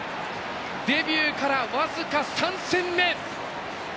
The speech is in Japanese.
デビューから僅か３戦目！